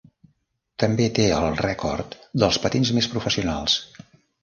També té el rècord dels patins més professionals.